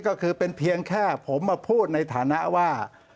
ก็คือเป็นเพียงแค่ผมมาพูดในฐานะว่า